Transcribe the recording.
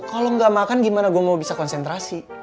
kalau nggak makan gimana gue mau bisa konsentrasi